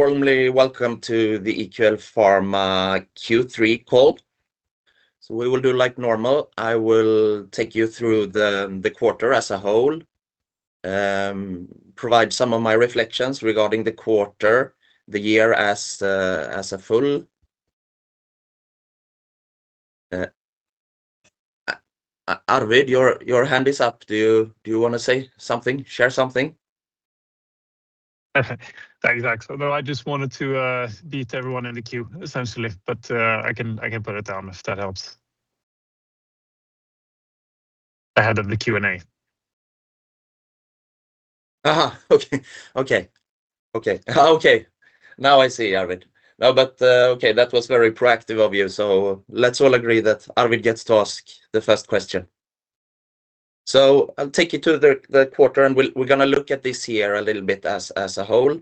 Warmly welcome to the EQL Pharma Q3 call. So we will do like normal. I will take you through the quarter as a whole, provide some of my reflections regarding the quarter, the year as a whole. Arvid, your hand is up. Do you wanna say something, share something? Thanks, Axel. No, I just wanted to beat everyone in the queue, essentially, but I can, I can put it down if that helps. Ahead of the Q&A. Okay. Now I see, Arvid. No, but okay, that was very proactive of you, so let's all agree that Arvid gets to ask the first question. So I'll take you to the quarter, and we're gonna look at this year a little bit as a whole,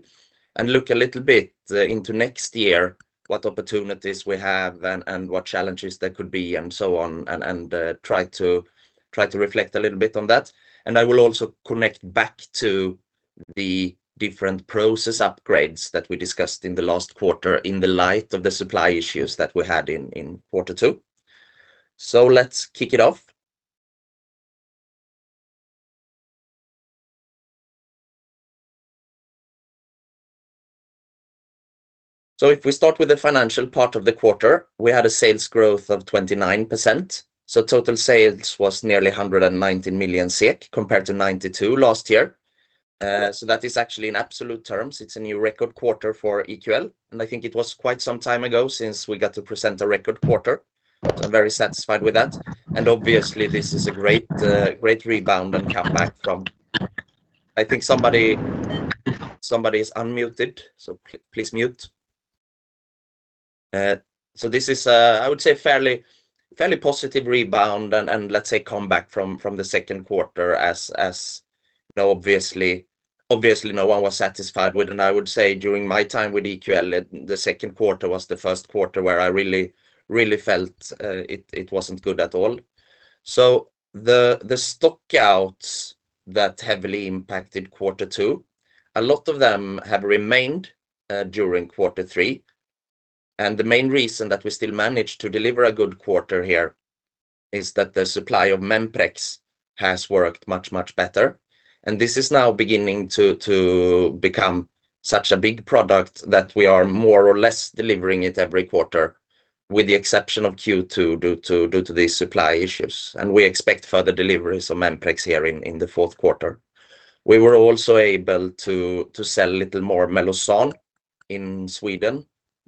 and look a little bit into next year, what opportunities we have, and what challenges there could be, and so on, and try to reflect a little bit on that. And I will also connect back to the different process upgrades that we discussed in the last quarter in the light of the supply issues that we had in quarter two. So let's kick it off. So if we start with the financial part of the quarter, we had a sales growth of 29%, so total sales was nearly 190 million SEK, compared to 92 last year. So that is actually in absolute terms, it's a new record quarter for EQL, and I think it was quite some time ago since we got to present a record quarter. So I'm very satisfied with that, and obviously this is a great, great rebound and comeback from... I think somebody is unmuted, so please mute. So this is, I would say fairly, fairly positive rebound and let's say comeback from the second quarter as, you know, obviously, obviously no one was satisfied with, and I would say during my time with EQL, the second quarter was the first quarter where I really, really felt, it, it wasn't good at all. So the stock-outs that heavily impacted quarter two, a lot of them have remained during quarter three, and the main reason that we still managed to deliver a good quarter here is that the supply of Memprex has worked much, much better, and this is now beginning to become such a big product that we are more or less delivering it every quarter, with the exception of Q2, due to the supply issues. We expect further deliveries of Memprex here in the fourth quarter. We were also able to sell a little more Meloson in Sweden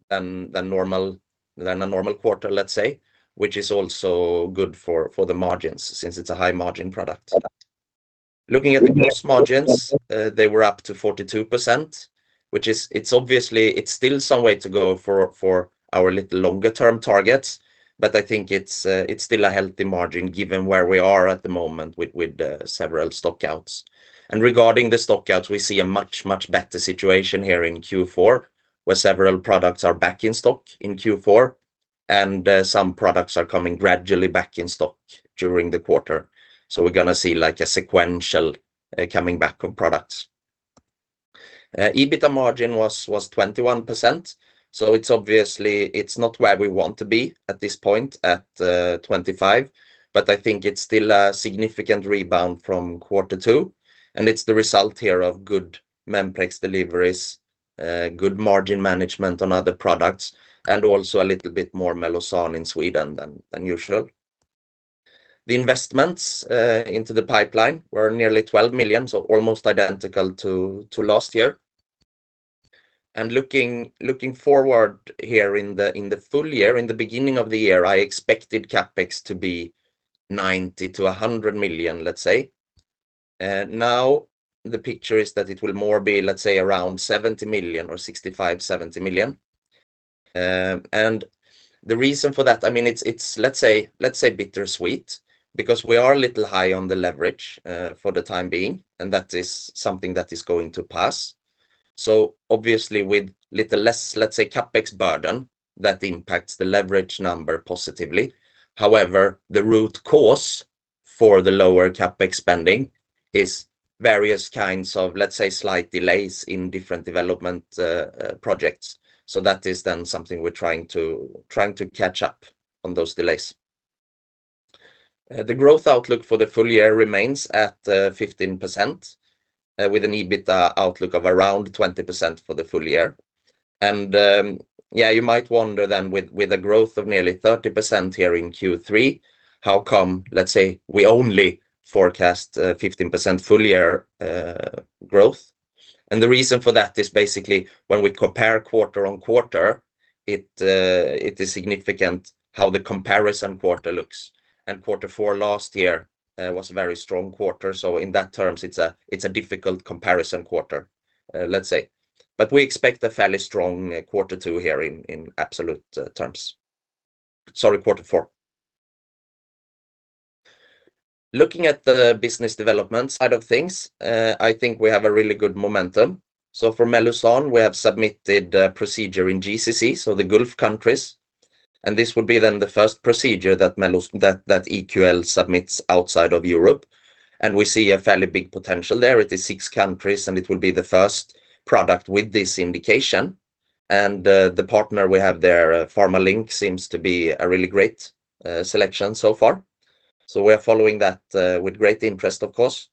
than normal than a normal quarter, let's say, which is also good for the margins, since it's a high-margin product. Looking at the gross margins, they were up to 42%, which is... it's obviously, it's still some way to go for our little longer term targets, but I think it's still a healthy margin, given where we are at the moment with the several stock-outs. Regarding the stock-outs, we see a much, much better situation here in Q4, where several products are back in stock in Q4, and some products are coming gradually back in stock during the quarter. So we're gonna see like a sequential coming back of products. EBITA margin was 21%, so it's obviously, it's not where we want to be at this point, at 25%, but I think it's still a significant rebound from quarter two, and it's the result here of good Memprex deliveries, good margin management on other products, and also a little bit more Mellozzan in Sweden than usual. The investments into the pipeline were nearly 12 million, so almost identical to last year. And looking forward here in the full year, in the beginning of the year, I expected CapEx to be 90 million-100 million, let's say. Now the picture is that it will more be, let's say, around 70 million or 65 million-70 million. And the reason for that, I mean, it's, let's say, let's say bittersweet, because we are a little high on the leverage, for the time being, and that is something that is going to pass. So obviously with little less, let's say, CapEx burden, that impacts the leverage number positively. However, the root cause for the lower CapEx spending is various kinds of, let's say, slight delays in different development projects. So that is then something we're trying to, trying to catch up on those delays. The growth outlook for the full year remains at 15%, with an EBITA outlook of around 20% for the full year. And, yeah, you might wonder then, with a growth of nearly 30% here in Q3, how come, let's say, we only forecast 15% full year growth? The reason for that is basically when we compare quarter-on-quarter, it is significant how the comparison quarter looks, and quarter four last year was a very strong quarter. So in that terms, it's a difficult comparison quarter, let's say. But we expect a fairly strong quarter two here in absolute terms. Sorry, quarter four. Looking at the business development side of things, I think we have a really good momentum. So for Mellozzan, we have submitted a procedure in GCC, so the Gulf countries, and this will be then the first procedure that Mellozzan that EQL submits outside of Europe, and we see a fairly big potential there. It is six countries, and it will be the first product with this indication. The partner we have there, PharmaLink, seems to be a really great selection so far. So we are following that with great interest, of course.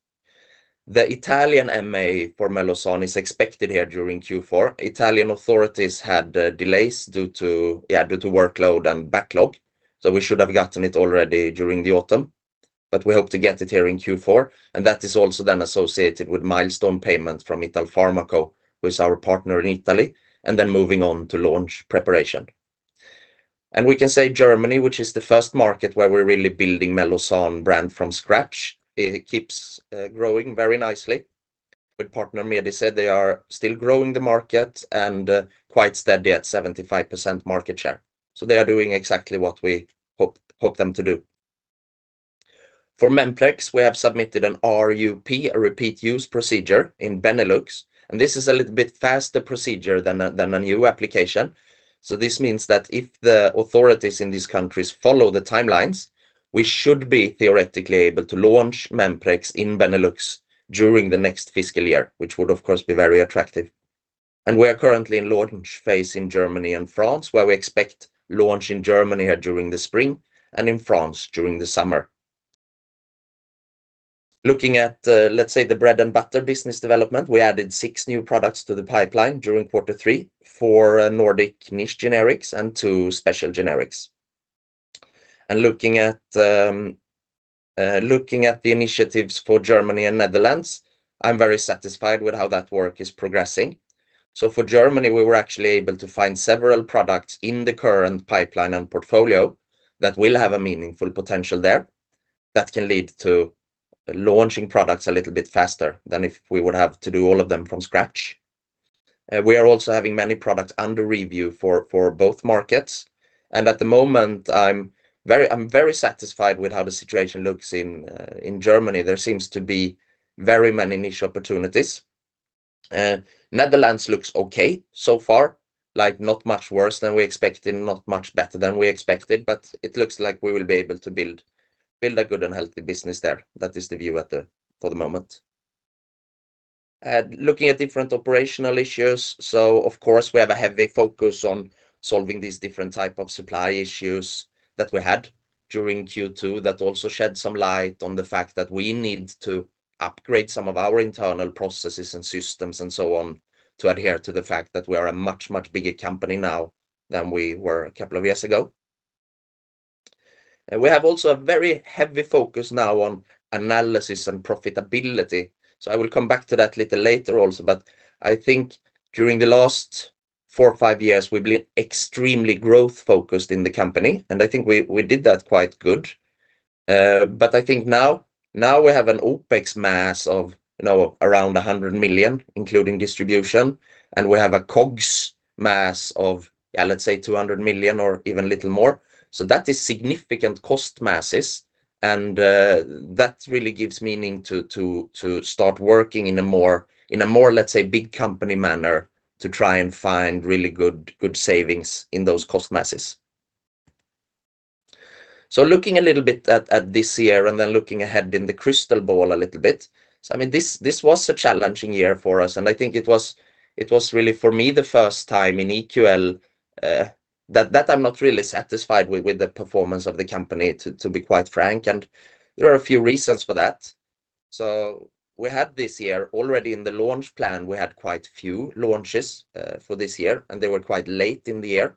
The Italian MA for Meloson is expected here during Q4. Italian authorities had delays due to workload and backlog, so we should have gotten it already during the autumn, but we hope to get it here in Q4, and that is also then associated with milestone payment from Italfarmaco, who is our partner in Italy, and then moving on to launch preparation. Germany, which is the first market where we're really building Meloson brand from scratch, it keeps growing very nicely. With partner Medice, they are still growing the market and quite steady at 75% market share. So they are doing exactly what we hope them to do. For Memprex, we have submitted an RUP, a repeat use procedure, in Benelux, and this is a little bit faster procedure than a, than a new application. So this means that if the authorities in these countries follow the timelines, we should be theoretically able to launch Memprex in Benelux during the next fiscal year, which would of course, be very attractive. And we are currently in launch phase in Germany and France, where we expect launch in Germany here during the spring and in France during the summer. Looking at, let's say, the bread and butter business development, we added six new products to the pipeline during quarter three for Nordic niche generics and two special generics. And looking at the initiatives for Germany and Netherlands, I'm very satisfied with how that work is progressing. So for Germany, we were actually able to find several products in the current pipeline and portfolio that will have a meaningful potential there. That can lead to launching products a little bit faster than if we would have to do all of them from scratch. We are also having many products under review for, for both markets, and at the moment, I'm very... I'm very satisfied with how the situation looks in, in Germany. There seems to be very many niche opportunities. Netherlands looks okay, so far, like, not much worse than we expected and not much better than we expected, but it looks like we will be able to build, build a good and healthy business there. That is the view at the, for the moment. Looking at different operational issues, so of course, we have a heavy focus on solving these different type of supply issues that we had during Q2, that also shed some light on the fact that we need to upgrade some of our internal processes and systems, and so on, to adhere to the fact that we are a much, much bigger company now than we were a couple of years ago. We have also a very heavy focus now on analysis and profitability. I will come back to that little later also, but I think during the last four or five years, we've been extremely growth-focused in the company, and I think we, we did that quite good. But I think now, now we have an OpEx mass of, you know, around 100 million, including distribution, and we have a COGS mass of, yeah, let's say 200 million or even little more. So that is significant cost masses, and that really gives meaning to, to, to start working in a more, in a more, let's say, big company manner, to try and find really good, good savings in those cost masses. So looking a little bit at, at this year and then looking ahead in the crystal ball a little bit. So, I mean, this, this was a challenging year for us, and I think it was, it was really for me, the first time in EQL, that, that I'm not really satisfied with, with the performance of the company, to, to be quite frank, and there are a few reasons for that. So we had this year, already in the launch plan, we had quite few launches for this year, and they were quite late in the year.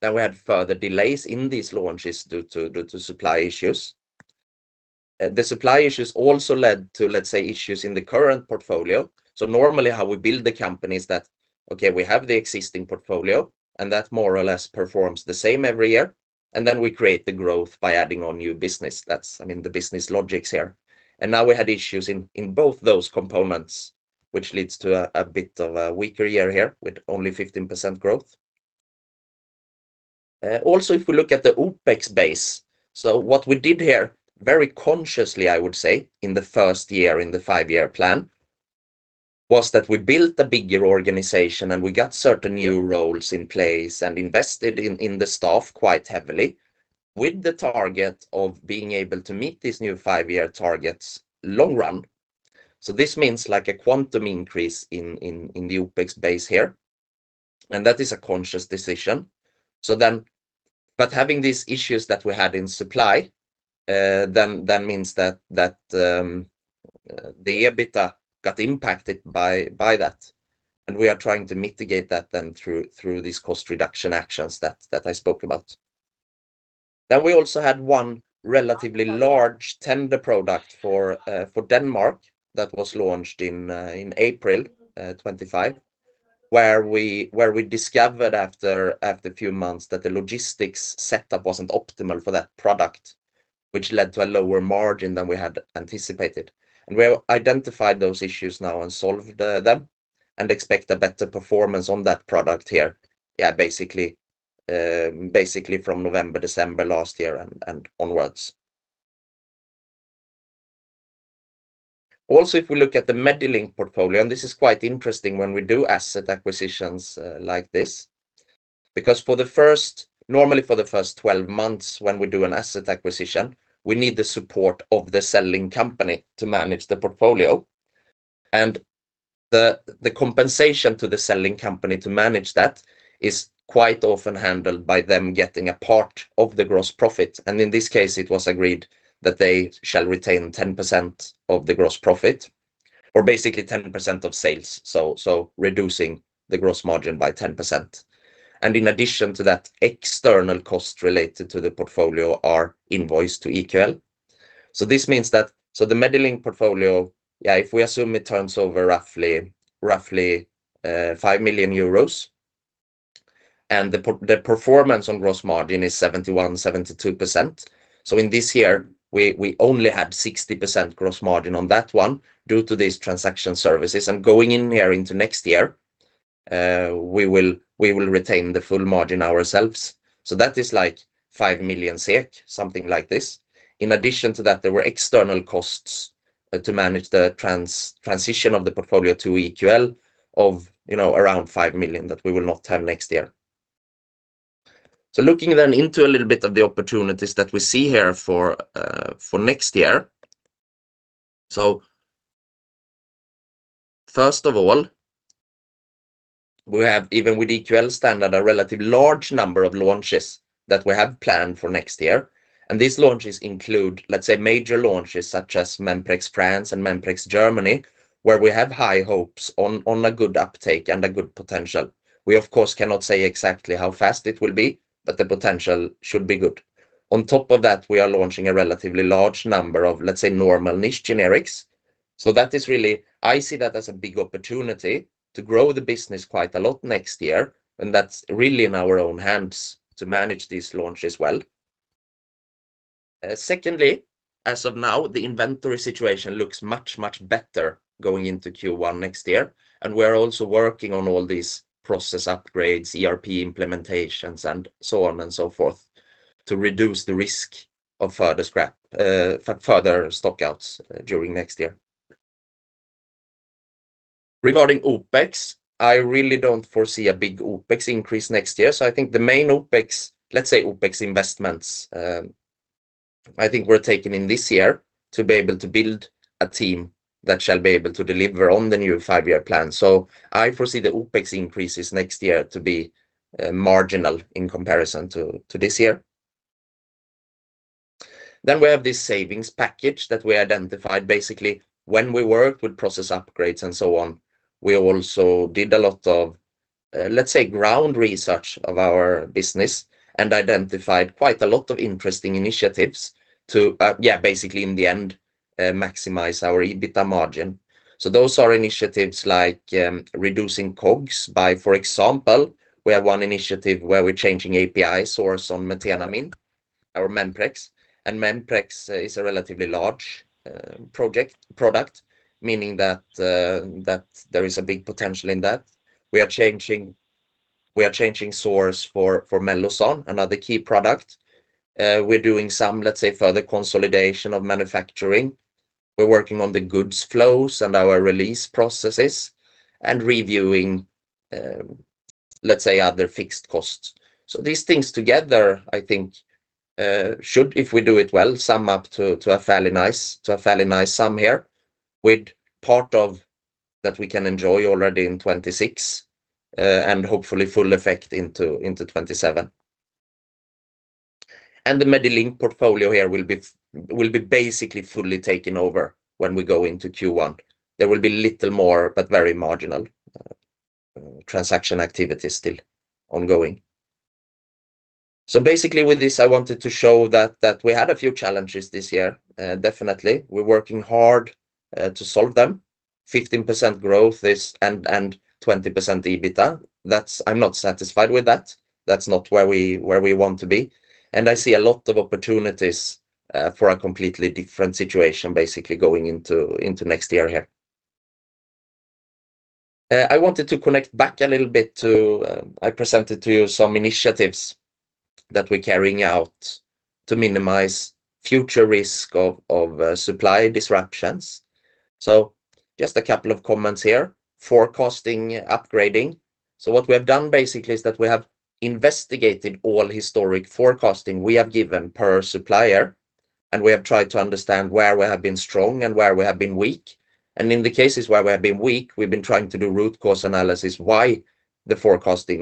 Then we had further delays in these launches due to, due to supply issues. The supply issues also led to, let's say, issues in the current portfolio. So normally, how we build the company is that, okay, we have the existing portfolio and that more or less performs the same every year, and then we create the growth by adding on new business. That's, I mean, the business logics here. And now we had issues in both those components, which leads to a bit of a weaker year here with only 15% growth. Also, if we look at the OpEx base, so what we did here, very consciously, I would say, in the first year, in the five-year plan, was that we built a bigger organization, and we got certain new roles in place and invested in the staff quite heavily, with the target of being able to meet these new five-year targets long run. So this means like a quantum increase in the OpEx base here, and that is a conscious decision. So then, but having these issues that we had in supply, then that means that the EBITDA got impacted by that, and we are trying to mitigate that then through these cost reduction actions that I spoke about. Then we also had one relatively large tender product for Denmark, that was launched in April 2025, where we discovered after a few months that the logistics setup wasn't optimal for that product, which led to a lower margin than we had anticipated. We have identified those issues now and solved them, and expect a better performance on that product here. Yeah, basically, basically from November, December last year and onwards. Also, if we look at the Medilink portfolio, and this is quite interesting when we do asset acquisitions like this, because normally for the first 12 months when we do an asset acquisition, we need the support of the selling company to manage the portfolio. And the compensation to the selling company to manage that is quite often handled by them getting a part of the gross profit, and in this case, it was agreed that they shall retain 10% of the gross profit, or basically 10% of sales, so reducing the gross margin by 10%. And in addition to that, external costs related to the portfolio are invoiced to EQL. So this means that the Medilink portfolio, yeah, if we assume it turns over roughly 5 million euros, and the performance on gross margin is 71%-72%. So in this year, we only have 60% gross margin on that one due to these transaction services. And going in here into next year, we will retain the full margin ourselves. So that is like 5 million SEK, something like this. In addition to that, there were external costs to manage the transition of the portfolio to EQL of, you know, around 5 million that we will not have next year. So looking then into a little bit of the opportunities that we see here for next year. So, first of all, we have, even with EQL standard, a relatively large number of launches that we have planned for next year, and these launches include, let's say, major launches such as Memprex France and Memprex Germany, where we have high hopes on, on a good uptake and a good potential. We of course cannot say exactly how fast it will be, but the potential should be good. On top of that, we are launching a relatively large number of, let's say, normal niche generics. So that is really... I see that as a big opportunity to grow the business quite a lot next year, and that's really in our own hands to manage these launches well. Secondly, as of now, the inventory situation looks much, much better going into Q1 next year, and we're also working on all these process upgrades, ERP implementations, and so on and so forth, to reduce the risk of further scrap, further stockouts during next year. Regarding OpEx, I really don't foresee a big OpEx increase next year. So I think the main OpEx, let's say OpEx investments, I think were taken in this year to be able to build a team that shall be able to deliver on the new five-year plan. So I foresee the OpEx increases next year to be, marginal in comparison to, to this year. Then we have this savings package that we identified. Basically, when we worked with process upgrades and so on, we also did a lot of, let's say, ground research of our business and identified quite a lot of interesting initiatives to basically in the end maximize our EBITDA margin. So those are initiatives like reducing COGS by, for example, we have one initiative where we're changing API source on methenamine, our Memprex, and Memprex is a relatively large product, meaning that there is a big potential in that. We are changing source for Meloson, another key product. We're doing some, let's say, further consolidation of manufacturing. We're working on the goods flows and our release processes and reviewing, let's say, other fixed costs. So these things together, I think, should, if we do it well, sum up to a fairly nice, to a fairly nice sum here, with part of that we can enjoy already in 2026, and hopefully full effect into 2027. And the Medilink portfolio here will be basically fully taken over when we go into Q1. There will be little more, but very marginal, transaction activity still ongoing. So basically with this, I wanted to show that we had a few challenges this year. Definitely. We're working hard to solve them. 15% growth is... and 20% EBITDA, that's- I'm not satisfied with that. That's not where we want to be, and I see a lot of opportunities for a completely different situation, basically going into next year here. I wanted to connect back a little bit to... I presented to you some initiatives that we're carrying out to minimize future risk of supply disruptions. So just a couple of comments here. Forecasting upgrading. So what we have done basically is that we have investigated all historic forecasting we have given per supplier, and we have tried to understand where we have been strong and where we have been weak. In the cases where we have been weak, we've been trying to do root cause analysis, why the forecasting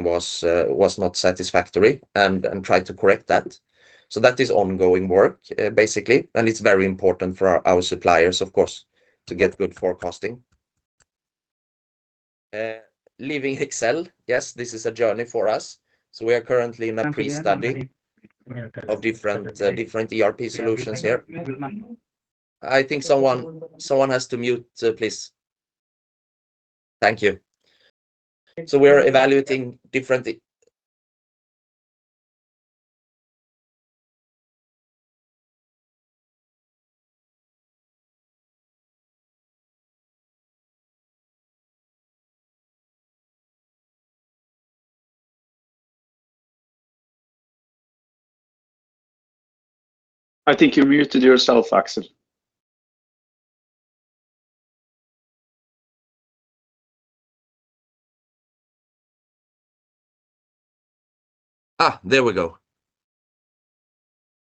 was not satisfactory, and try to correct that. So that is ongoing work, basically, and it's very important for our suppliers, of course, to get good forecasting. Leaving Excel, yes, this is a journey for us. So we are currently in a pre-study of different, different ERP solutions here. I think someone, someone has to mute, please. Thank you. So we are evaluating different- ... I think you muted yourself, Axel. There we go.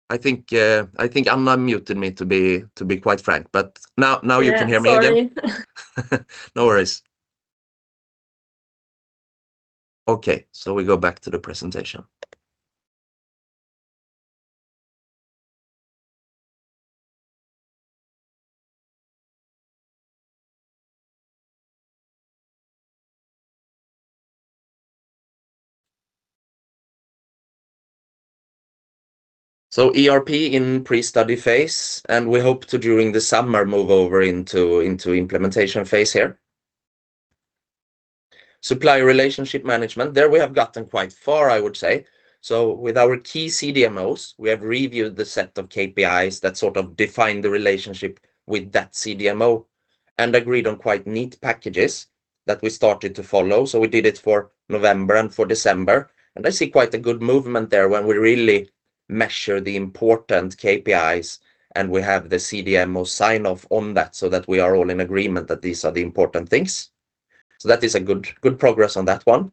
I think, I think Anna muted me, to be, to be quite frank, but now, now you can hear me again. Yeah, sorry. No worries. Okay, so we go back to the presentation. So ERP in pre-study phase, and we hope to, during the summer, move over into, into implementation phase here. Supplier relationship management, there we have gotten quite far, I would say. So with our key CDMOs, we have reviewed the set of KPIs that sort of define the relationship with that CDMO and agreed on quite neat packages that we started to follow. So we did it for November and for December, and I see quite a good movement there when we really measure the important KPIs, and we have the CDMO sign-off on that, so that we are all in agreement that these are the important things. So that is a good, good progress on that one.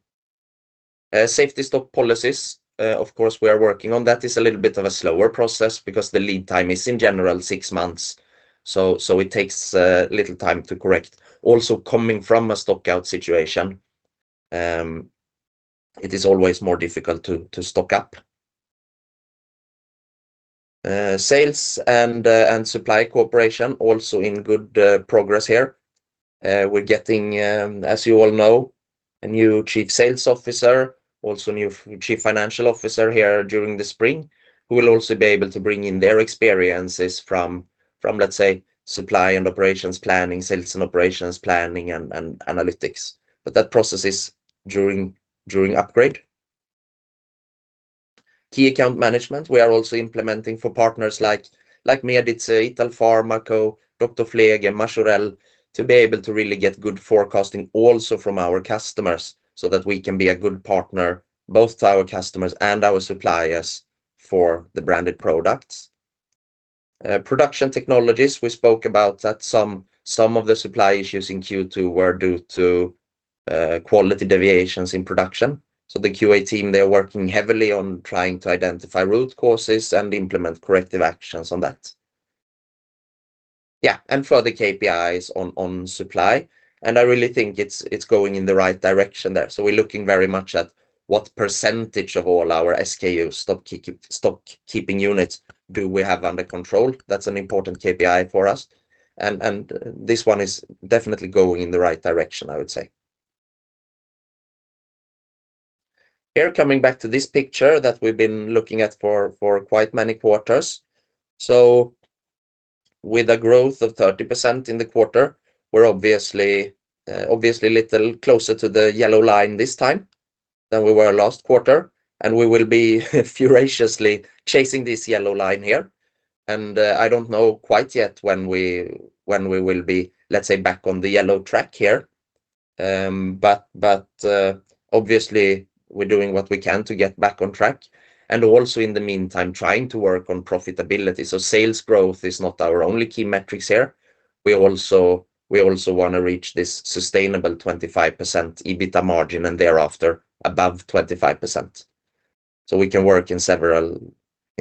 Safety stock policies, of course, we are working on that. It's a little bit of a slower process because the lead time is, in general, six months, so it takes a little time to correct. Also, coming from a stock-out situation, it is always more difficult to stock up. Sales and supply cooperation also in good progress here. We're getting, as you all know, a new Chief Sales Officer, also new Chief Financial Officer here during the spring, who will also be able to bring in their experiences from, let's say, supply and operations planning, sales and operations planning, and analytics. But that process is during upgrade. Key account management, we are also implementing for partners like Medice, Italfarmaco, Dr. Pfleger, Majorelle, to be able to really get good forecasting also from our customers, so that we can be a good partner, both to our customers and our suppliers for the branded products. Production technologies, we spoke about that some, some of the supply issues in Q2 were due to quality deviations in production. So the QA team, they are working heavily on trying to identify root causes and implement corrective actions on that. Yeah, and further KPIs on supply, and I really think it's going in the right direction there. So we're looking very much at what percentage of all our SKU, stockkeep- stockkeeping units, do we have under control? That's an important KPI for us, and this one is definitely going in the right direction, I would say. Here, coming back to this picture that we've been looking at for quite many quarters. So with a growth of 30% in the quarter, we're obviously a little closer to the yellow line this time than we were last quarter, and we will be furiously chasing this yellow line here. And I don't know quite yet when we will be, let's say, back on the yellow track here. But obviously we're doing what we can to get back on track, and also in the meantime, trying to work on profitability. So sales growth is not our only key metrics here. We also wanna reach this sustainable 25% EBITDA margin and thereafter above 25%. So we can work in several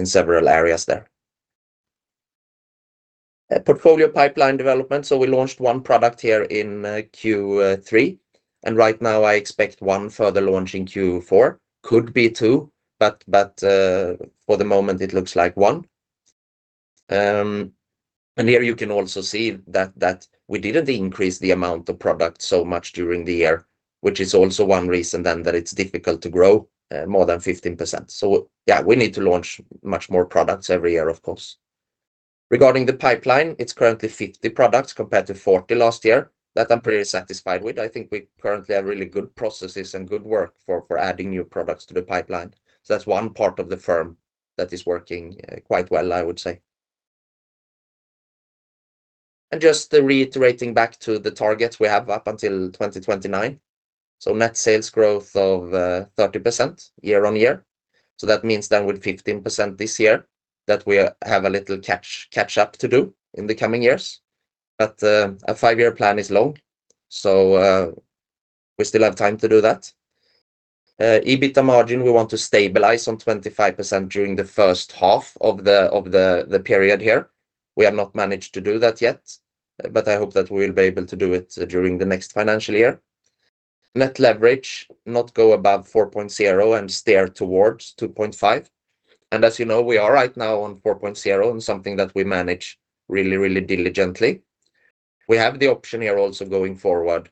areas there. Portfolio pipeline development, so we launched 1 product here in Q3, and right now I expect 1 further launch in Q4. Could be 2, but, but, for the moment, it looks like 1. And here you can also see that, that we didn't increase the amount of product so much during the year, which is also 1 reason then that it's difficult to grow more than 15%. So yeah, we need to launch much more products every year, of course. Regarding the pipeline, it's currently 50 products compared to 40 last year. That I'm pretty satisfied with. I think we currently have really good processes and good work for, for adding new products to the pipeline. So that's 1 part of the firm that is working quite well, I would say. Just reiterating back to the targets we have up until 2029. Net sales growth of 30% year-over-year. That means then with 15% this year, that we have a little catch up to do in the coming years. But a five-year plan is long, so we still have time to do that. EBITDA margin, we want to stabilize on 25% during the first half of the period here. We have not managed to do that yet, but I hope that we'll be able to do it during the next financial year. Net leverage, not go above 4.0 and steer towards 2.5, and as you know, we are right now on 4.0 and something that we manage really, really diligently. We have the option here also going forward,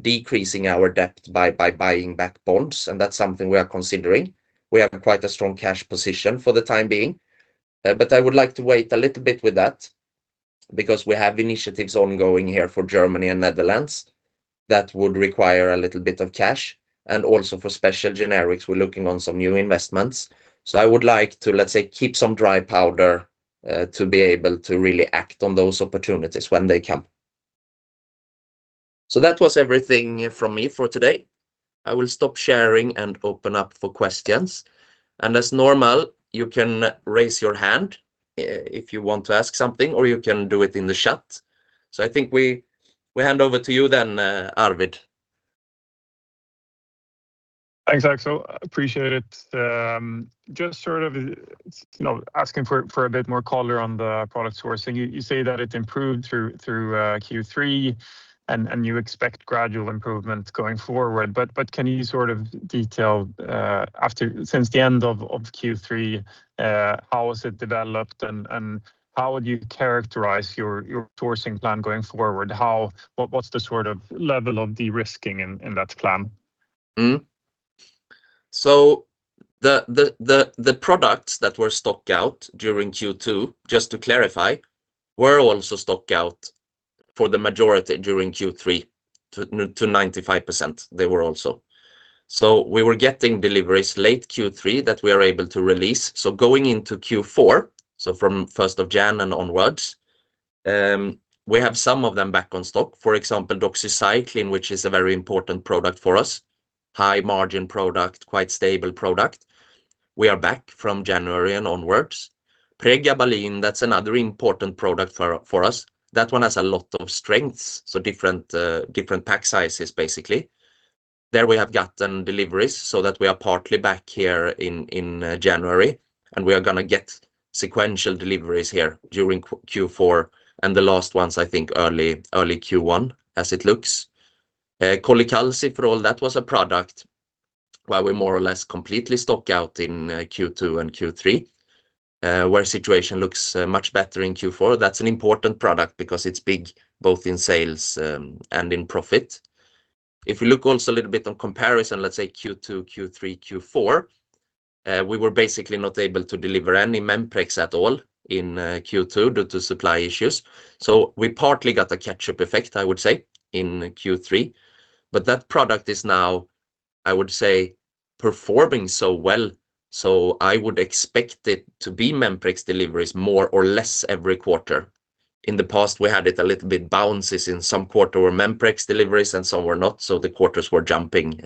decreasing our debt by buying back bonds, and that's something we are considering. We have quite a strong cash position for the time being, but I would like to wait a little bit with that because we have initiatives ongoing here for Germany and Netherlands that would require a little bit of cash, and also for special generics, we're looking on some new investments. So I would like to, let's say, keep some dry powder, to be able to really act on those opportunities when they come. So that was everything from me for today. I will stop sharing and open up for questions. And as normal, you can raise your hand, if you want to ask something, or you can do it in the chat. I think we hand over to you then, Arvid. Thanks, Axel. Appreciate it. Just sort of, you know, asking for a bit more color on the product sourcing. You say that it improved through Q3, and you expect gradual improvement going forward, but can you sort of detail since the end of Q3, how has it developed, and how would you characterize your sourcing plan going forward? What’s the sort of level of de-risking in that plan? So the products that were stocked out during Q2, just to clarify, were also stocked out for the majority during Q3, to 95% they were also. So we were getting deliveries late Q3 that we are able to release. So going into Q4, so from first of January and onwards, we have some of them back on stock. For example, Doxycycline, which is a very important product for us, high-margin product, quite stable product. We are back from January and onwards. Pregabalin, that's another important product for us. That one has a lot of strengths, so different different pack sizes, basically. There we have gotten deliveries so that we are partly back here in January, and we are gonna get sequential deliveries here during Q4, and the last ones, I think, early Q1, as it looks. Colecalciferol, that was a product where we more or less completely stock out in Q2 and Q3, where situation looks much better in Q4. That's an important product because it's big, both in sales, and in profit. If you look also a little bit on comparison, let's say Q2, Q3, Q4, we were basically not able to deliver any Memprex at all in Q2 due to supply issues. So we partly got a catch-up effect, I would say, in Q3. But that product is now, I would say, performing so well, so I would expect it to be Memprex deliveries more or less every quarter. In the past, we had it a little bit bounces in some quarter were Memprex deliveries and some were not, so the quarters were jumping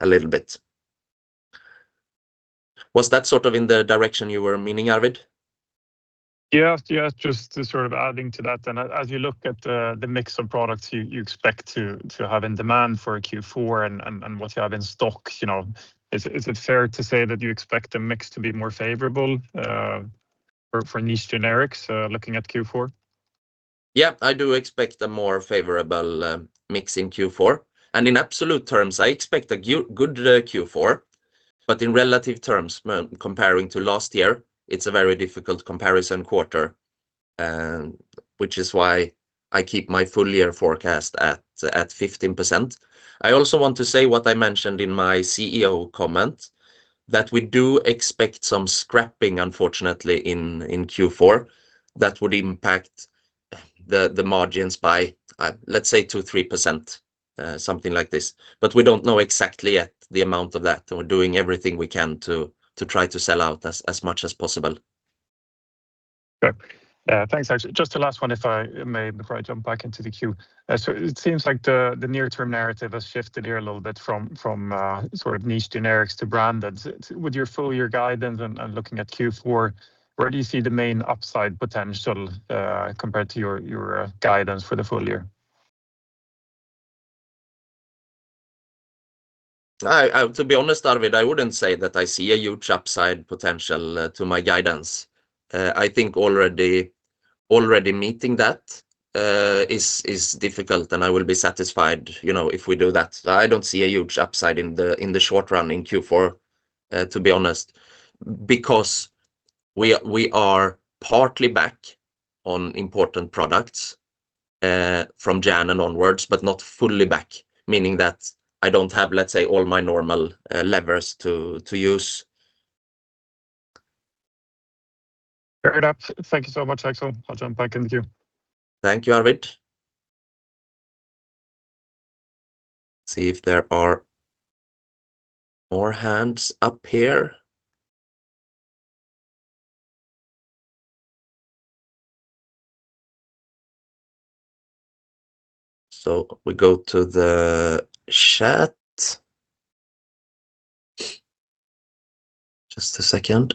a little bit. Was that sort of in the direction you were meaning, Arvid? Yes, yes, just to sort of adding to that, and as you look at the mix of products you expect to have in demand for Q4 and what you have in stock, you know, is it fair to say that you expect the mix to be more favorable for niche generics looking at Q4? Yeah, I do expect a more favorable mix in Q4, and in absolute terms, I expect a good Q4. But in relative terms, comparing to last year, it's a very difficult comparison quarter, which is why I keep my full year forecast at 15%. I also want to say what I mentioned in my CEO comment, that we do expect some scrapping, unfortunately, in Q4. That would impact the margins by, let's say 2-3%, something like this. But we don't know exactly yet the amount of that. We're doing everything we can to try to sell out as much as possible. Sure. Thanks, Axel. Just the last one, if I may, before I jump back into the queue. So it seems like the near-term narrative has shifted here a little bit from sort of niche generics to branded. With your full year guidance and looking at Q4, where do you see the main upside potential compared to your guidance for the full year? To be honest, Arvid, I wouldn't say that I see a huge upside potential to my guidance. I think already meeting that is difficult, and I will be satisfied, you know, if we do that. I don't see a huge upside in the short run in Q4, to be honest, because we are partly back on important products from January and onwards, but not fully back, meaning that I don't have, let's say, all my normal levers to use. Fair enough. Thank you so much, Axel. I'll jump back in the queue. Thank you, Arvid. See if there are more hands up here. So we go to the chat. Just a second.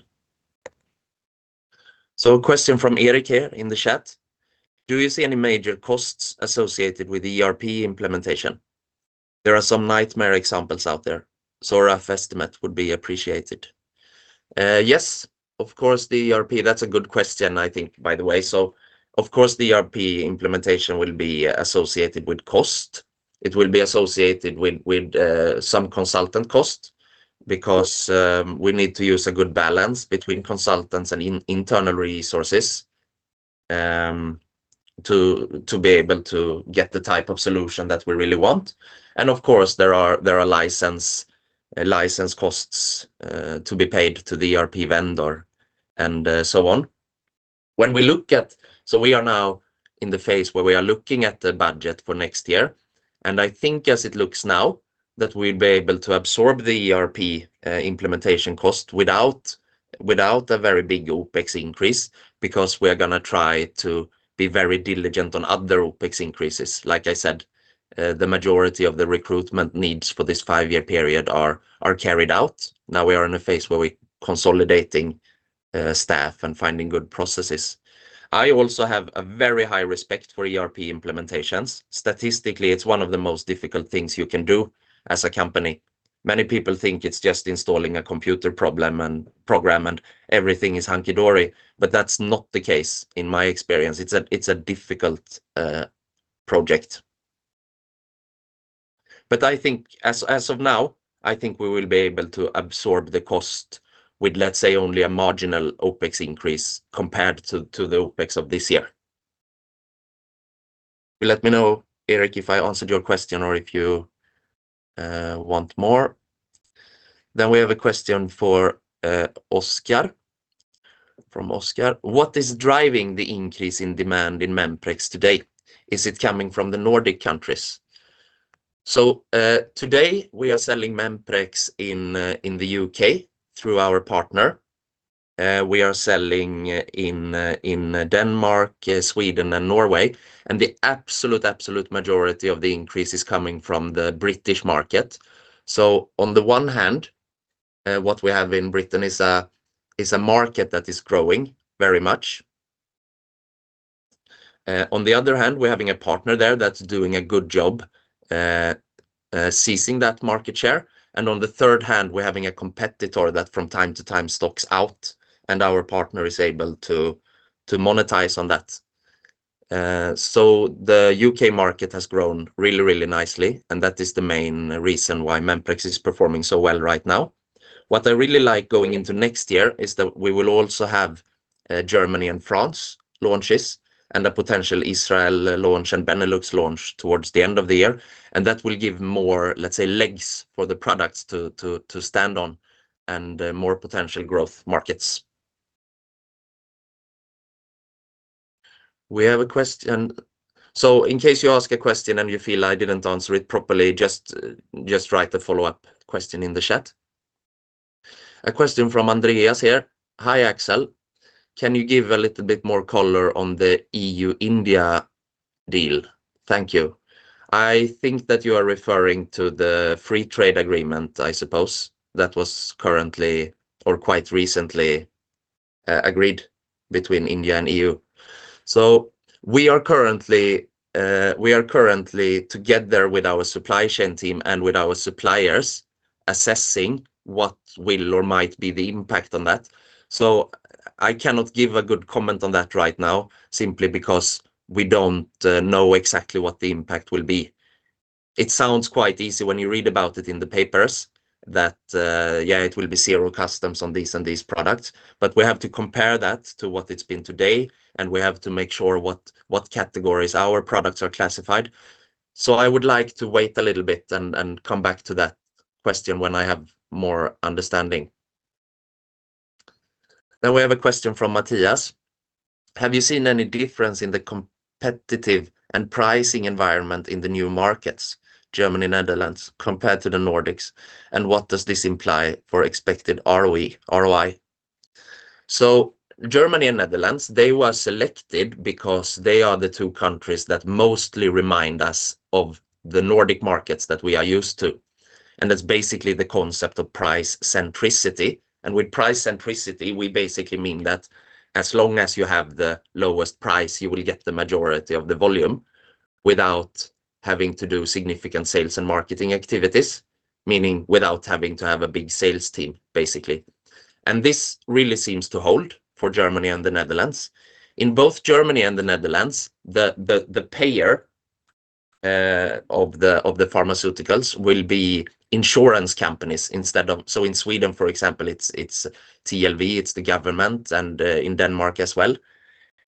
So a question from Eric here in the chat: Do you see any major costs associated with ERP implementation? There are some nightmare examples out there, so a rough estimate would be appreciated. Yes, of course, the ERP, that's a good question, I think, by the way. So of course, the ERP implementation will be associated with cost. It will be associated with some consultant cost, because we need to use a good balance between consultants and internal resources to be able to get the type of solution that we really want, and of course, there are license costs to be paid to the ERP vendor and so on. When we look at... So we are now in the phase where we are looking at the budget for next year, and I think as it looks now, that we'll be able to absorb the ERP implementation cost without a very big OpEx increase, because we are going to try to be very diligent on other OpEx increases. Like I said, the majority of the recruitment needs for this five-year period are carried out. Now we are in a phase where we're consolidating staff and finding good processes. I also have a very high respect for ERP implementations. Statistically, it's one of the most difficult things you can do as a company. Many people think it's just installing a computer problem and program, and everything is hunky-dory, but that's not the case in my experience. It's a difficult project. But I think as, as of now, I think we will be able to absorb the cost with, let's say, only a marginal OpEx increase compared to, to the OpEx of this year. Let me know, Eric, if I answered your question or if you want more. Then we have a question for Oscar. From Oscar, "What is driving the increase in demand in Memprex today? Is it coming from the Nordic countries?" So, today we are selling Memprex in, in the U.K. through our partner. We are selling in, in Denmark, Sweden, and Norway, and the absolute, absolute majority of the increase is coming from the British market. So on the one hand, what we have in Britain is a, is a market that is growing very much. On the other hand, we're having a partner there that's doing a good job, seizing that market share, and on the third hand, we're having a competitor that from time to time stocks out, and our partner is able to, to monetize on that. So the UK market has grown really, really nicely, and that is the main reason why Memprex is performing so well right now. What I really like going into next year is that we will also have, Germany and France launches, and a potential Israel launch, and Benelux launch towards the end of the year. And that will give more, let's say, legs for the products to, to, to stand on and, more potential growth markets. We have a question. So in case you ask a question and you feel I didn't answer it properly, just, just write a follow-up question in the chat. A question from Andreas here: "Hi, Axel. Can you give a little bit more color on the EU-India deal? Thank you." I think that you are referring to the free trade agreement, I suppose, that was currently or quite recently agreed between India and EU. So we are currently together with our supply chain team and with our suppliers, assessing what will or might be the impact on that. So I cannot give a good comment on that right now, simply because we don't know exactly what the impact will be. It sounds quite easy when you read about it in the papers that, yeah, it will be zero customs on these and these products, but we have to compare that to what it's been today, and we have to make sure what, what categories our products are classified. So I would like to wait a little bit and, and come back to that question when I have more understanding. Then we have a question from Matthias: "Have you seen any difference in the competitive and pricing environment in the new markets, Germany, Netherlands, compared to the Nordics, and what does this imply for expected ROE- ROI?" So Germany and Netherlands, they were selected because they are the two countries that mostly remind us of the Nordic markets that we are used to, and that's basically the concept of price centricity. With price centricity, we basically mean that as long as you have the lowest price, you will get the majority of the volume without having to do significant sales and marketing activities, meaning without having to have a big sales team, basically. This really seems to hold for Germany and the Netherlands. In both Germany and the Netherlands, the payer of the pharmaceuticals will be insurance companies instead of... In Sweden, for example, it's TLV, it's the government, and in Denmark as well.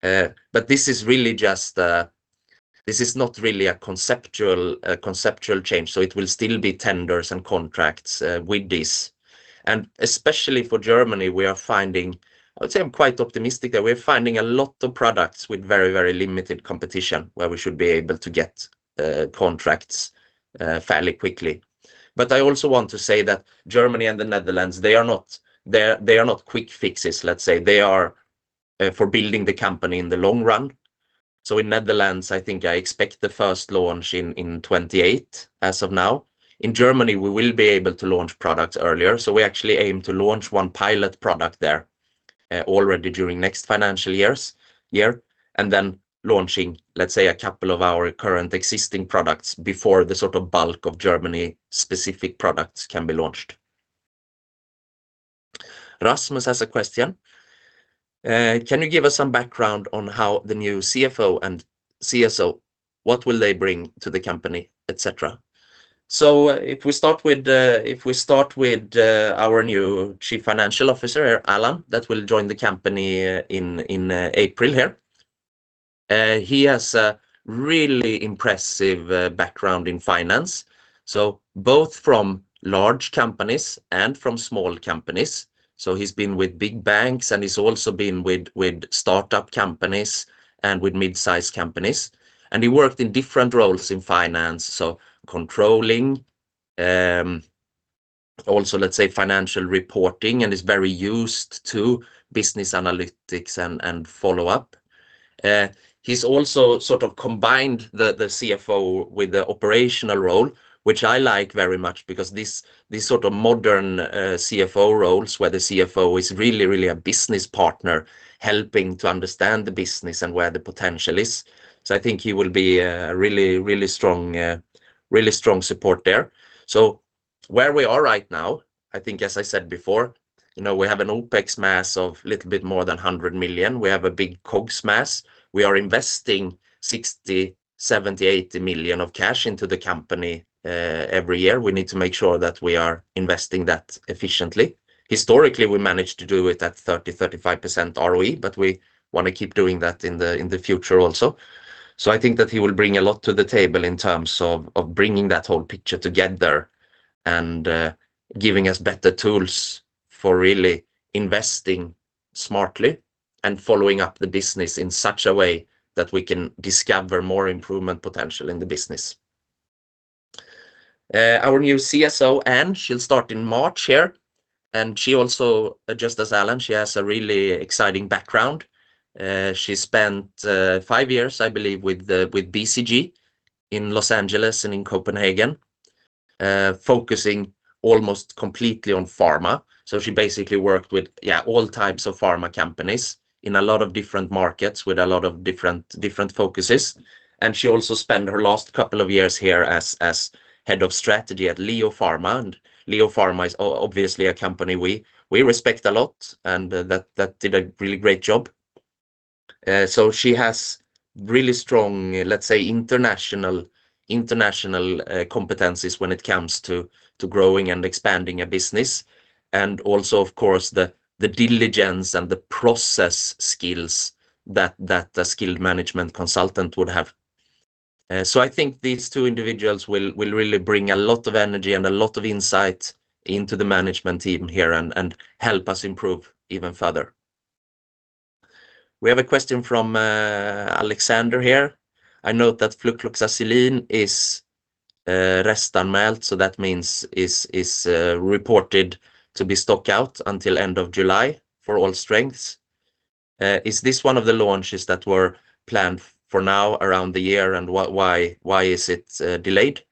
But this is really just not really a conceptual change, so it will still be tenders and contracts with this. Especially for Germany, we are finding, I would say I'm quite optimistic that we're finding a lot of products with very, very limited competition, where we should be able to get contracts fairly quickly. But I also want to say that Germany and the Netherlands, they are not, they are not quick fixes, let's say. They are for building the company in the long run. So in Netherlands, I think I expect the first launch in 2028, as of now. In Germany, we will be able to launch products earlier. So we actually aim to launch one pilot product there already during next financial year, and then launching, let's say, a couple of our current existing products before the sort of bulk of Germany-specific products can be launched. Rasmus has a question. Can you give us some background on how the new CFO and CSO, what will they bring to the company, et cetera?" So if we start with our new Chief Financial Officer, Allan, that will join the company in April here, he has a really impressive background in finance, so both from large companies and from small companies. So he's been with big banks, and he's also been with startup companies and with mid-sized companies, and he worked in different roles in finance, so controlling, also, let's say, financial reporting, and is very used to business analytics and follow-up. He's also sort of combined the, the CFO with the operational role, which I like very much, because this, this sort of modern, CFO roles, where the CFO is really, really a business partner, helping to understand the business and where the potential is. So I think he will be a really, really strong, really strong support there. So where we are right now, I think as I said before, you know, we have an OpEx mass of a little bit more than 100 million. We have a big COGS mass. We are investing 60-80 million of cash into the company, every year. We need to make sure that we are investing that efficiently. Historically, we managed to do it at 30%-35% ROE, but we wanna keep doing that in the, in the future also. So I think that he will bring a lot to the table in terms of of bringing that whole picture together and giving us better tools for really investing smartly and following up the business in such a way that we can discover more improvement potential in the business. Our new CSO, Anne, she'll start in March here, and she also, just as Allan, she has a really exciting background. She spent five years, I believe, with BCG in Los Angeles and in Copenhagen, focusing almost completely on pharma. So she basically worked with, yeah, all types of pharma companies in a lot of different markets, with a lot of different focuses. She also spent her last couple of years here as head of strategy at Leo Pharma, and Leo Pharma is obviously a company we respect a lot, and that did a really great job. So she has really strong, let's say, international competencies when it comes to growing and expanding a business, and also, of course, the diligence and the process skills that a skilled management consultant would have. So I think these two individuals will really bring a lot of energy and a lot of insight into the management team here and help us improve even further. We have a question from Alexander here. "I note that Flucloxacillin is restanmeldt, so that means is reported to be stock out until end of July for all strengths. Is this one of the launches that were planned for now around the year, and why is it delayed?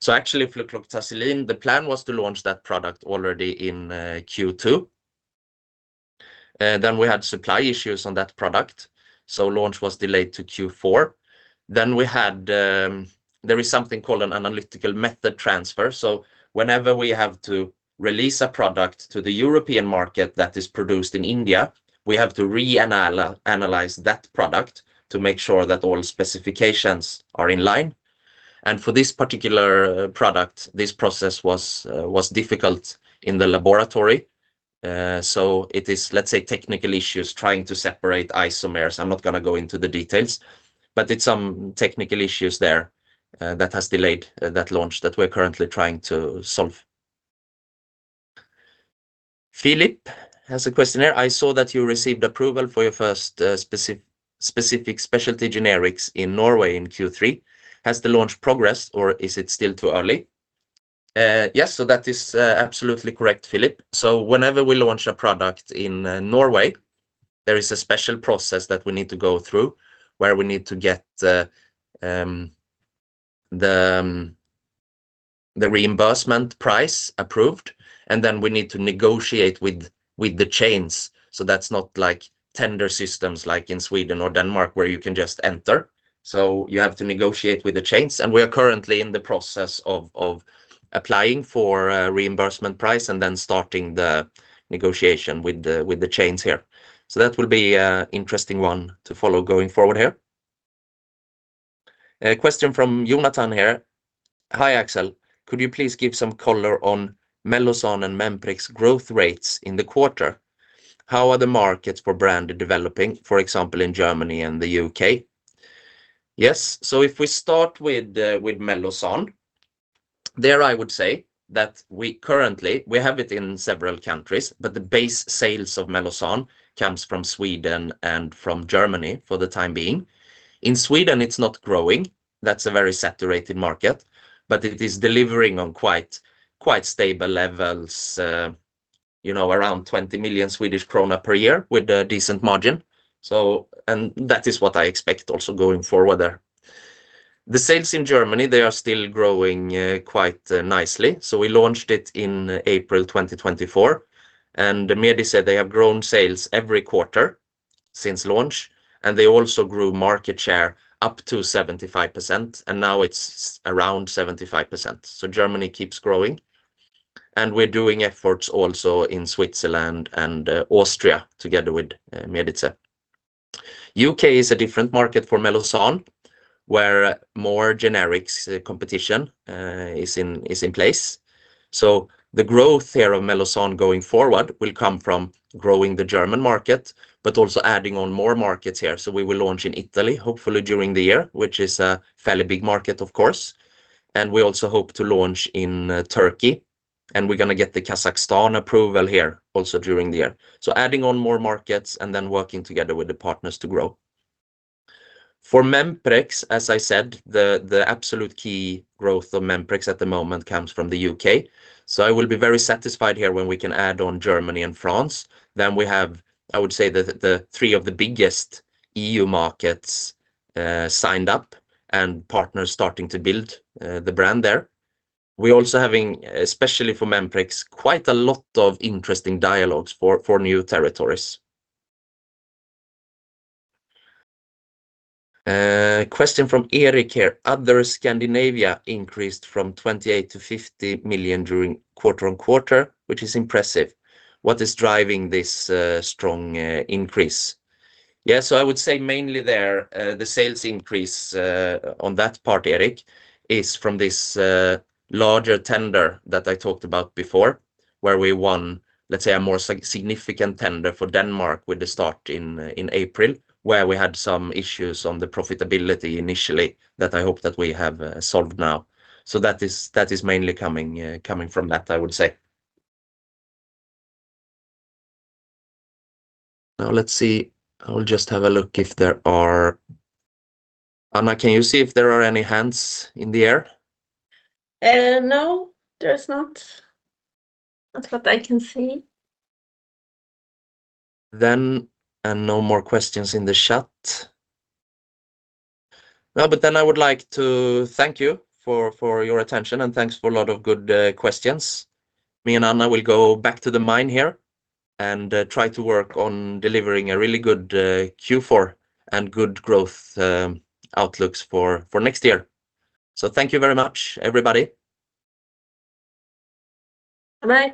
So actually, flucloxacillin, the plan was to launch that product already in Q2. Then we had supply issues on that product, so launch was delayed to Q4. Then we had there is something called an analytical method transfer. So whenever we have to release a product to the European market that is produced in India, we have to analyze that product to make sure that all specifications are in line. And for this particular product, this process was difficult in the laboratory. So it is, let's say, technical issues, trying to separate isomers. I'm not gonna go into the details, but it's some technical issues there that has delayed that launch that we're currently trying to solve. Philip has a question here: "I saw that you received approval for your first specific specialty generics in Norway in Q3. Has the launch progressed, or is it still too early?" Yes, so that is absolutely correct, Philip. So whenever we launch a product in Norway, there is a special process that we need to go through, where we need to get the reimbursement price approved, and then we need to negotiate with the chains. So that's not like tender systems like in Sweden or Denmark, where you can just enter, so you have to negotiate with the chains, and we are currently in the process of applying for a reimbursement price and then starting the negotiation with the chains here. So that will be an interesting one to follow going forward here. A question from Jonathan here: "Hi, Axel. Could you please give some color on Meloson and Memprex growth rates in the quarter? How are the markets for branded developing, for example, in Germany and the UK?" Yes. So if we start with with Mellozzan, there I would say that we currently, we have it in several countries, but the base sales of Mellozzan comes from Sweden and from Germany for the time being. In Sweden, it's not growing. That's a very saturated market, but it is delivering on quite, quite stable levels, you know, around 20 million Swedish krona per year, with a decent margin. So. And that is what I expect also going forward there. The sales in Germany, they are still growing, quite, nicely. We launched it in April 2024, and Medice, they have grown sales every quarter since launch, and they also grew market share up to 75%, and now it's around 75%. Germany keeps growing, and we're doing efforts also in Switzerland and Austria, together with Medice. U.K. is a different market for Mellozzan, where more generics competition is in place. The growth here of Mellozzan going forward will come from growing the German market, but also adding on more markets here. We will launch in Italy, hopefully during the year, which is a fairly big market, of course. And we also hope to launch in Turkey, and we're gonna get the Kazakhstan approval here, also during the year. Adding on more markets and then working together with the partners to grow. For Memprex, as I said, the absolute key growth of Memprex at the moment comes from the UK. So I will be very satisfied here when we can add on Germany and France. Then we have, I would say, the three of the biggest EU markets signed up, and partners starting to build the brand there. We're also having, especially for Methenamine, quite a lot of interesting dialogues for new territories. Question from Eric here, "Other Scandinavia increased from 28 million to 50 million during quarter-over-quarter, which is impressive. What is driving this strong increase?" Yeah, so I would say mainly there the sales increase on that part, Eric, is from this larger tender that I talked about before, where we won, let's say, a more significant tender for Denmark with the start in April, where we had some issues on the profitability initially, that I hope that we have solved now. So that is mainly coming from that, I would say. Now let's see. I will just have a look if there are... Anna, can you see if there are any hands in the air? No, there's not. Not that I can see. Then, and no more questions in the chat. No, but then I would like to thank you for your attention, and thanks for a lot of good questions. Me and Anna will go back to the mine here and try to work on delivering a really good Q4 and good growth outlooks for next year. So thank you very much, everybody. Bye-bye.